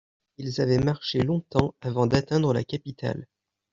ils avaient marché longtemps avant d'atteindre la capitale.